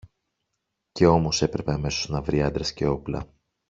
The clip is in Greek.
Και όμως έπρεπε αμέσως να βρει άντρες και όπλα!